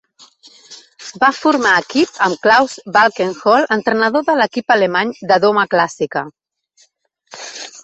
Va formar equip amb Klaus Balkenhol, entrenador de l'equip alemany de doma clàssica.